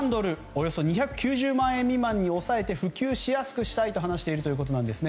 およそ２９０万円未満に抑えて普及しやすくしたいと話しているということなんです。